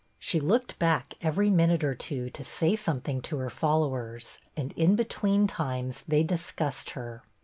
She looked back every minute or two to say something to her followers, and in between times they discussed her.